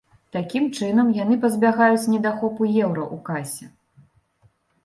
Такім чынам яны пазбягаюць недахопу еўра ў касе.